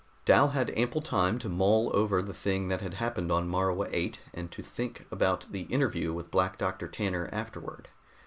Dal had ample time to mull over the thing that had happened on Morua VIII and to think about the interview with Black Doctor Tanner afterward.